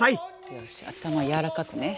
よし頭やわらかくね。